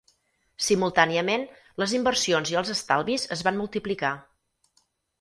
Simultàniament, les inversions i els estalvis es van multiplicar.